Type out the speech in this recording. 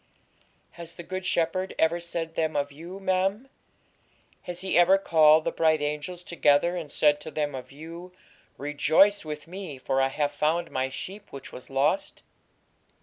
'Has the Good Shepherd ever said them of you, ma'am? Has He ever called the bright angels together and said to them of you, "Rejoice with Me, for I have found My sheep which was lost"?'